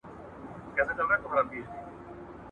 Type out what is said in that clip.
که وخت وي، پلان جوړوم.